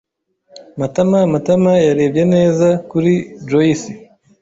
[Matama] Matama yarebye neza kuri Joyci.